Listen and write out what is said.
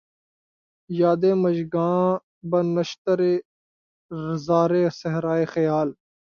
یادِ مژگاں بہ نشتر زارِ صحراۓ خیال